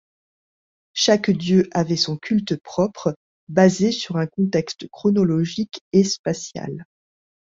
Chaque dieu avait son culte propre, basé sur un contexte chronologique et spatial.